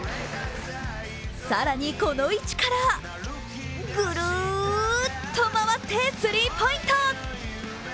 更に、この位置からぐるっと回ってスリーポイント。